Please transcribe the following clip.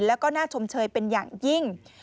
แล้วก็น่าชมเชยเป็นอย่างยิ่ง